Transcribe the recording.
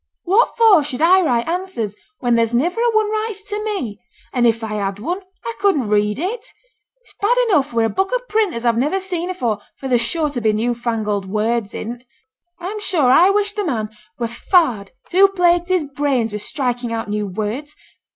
What for should I write answers, when there's niver a one writes to me? and if I had one, I couldn't read it; it's bad enough wi' a book o' print as I've niver seen afore, for there's sure to be new fangled words in 't. I'm sure I wish the man were farred who plagues his brains wi' striking out new words.